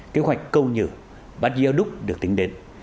kế hoạch câu nhự bắt yaduk được tính đến